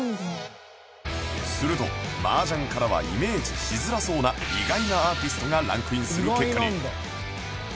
すると麻雀からはイメージしづらそうな意外なアーティストがランクインする結果に